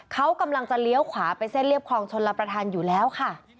เขากำลังจะเลี้ยวขวาไปเส้นเรียบคลองชนรับประทานอยู่แล้วค่ะ